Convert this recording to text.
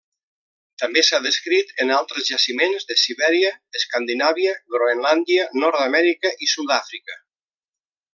També s'ha descrit en altres jaciments de Sibèria, Escandinàvia, Groenlàndia, Nord-amèrica i Sud-àfrica.